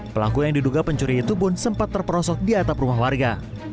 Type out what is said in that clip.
pelaku yang diduga pencuri itu pun sempat terperosok di atap rumah warga